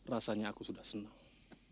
rasanya aku sudah senang